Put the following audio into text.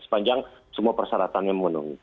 sepanjang semua persyaratannya memenuhi